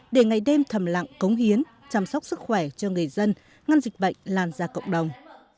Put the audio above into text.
để ngày đêm thầm lặng cống hiến chăm sóc sức khỏe cho người dân ngăn dịch bệnh lan ra cộng đồng